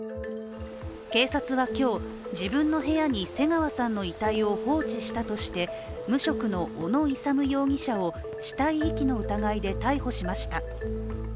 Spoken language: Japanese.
警察は今日、自分の部屋に瀬川さんの遺体を放置したとして無職の小野勇容疑者を死体遺棄の疑いで逮捕しました。